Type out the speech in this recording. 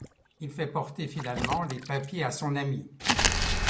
Il fait porter finalement les papiers à son ami.